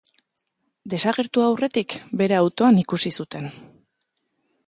Desagertu aurretik, bere autoan ikusi zuten.